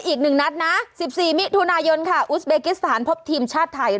อีก๑นัดนะ๑๔มิถุนายนค่ะอุสเบกิสถานพบทีมชาติไทย